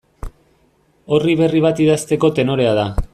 Orri berri bat idazteko tenorea da.